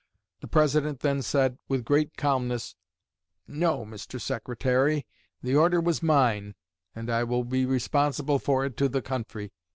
The President then said, with great calmness, "No, Mr. Secretary, the order was mine, and I will be responsible for it to the country."